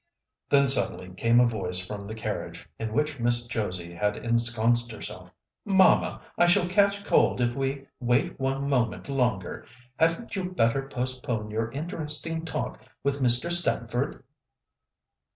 Then suddenly came a voice from the carriage, in which Miss Josie had ensconced herself. "Mamma, I shall catch cold if we wait one moment longer. Hadn't you better postpone your interesting talk with Mr. Stamford?"